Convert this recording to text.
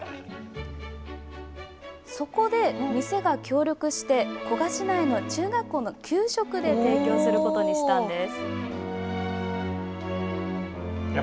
そこで店が協力して、古河市内の中学校の給食で提供することにしたんです。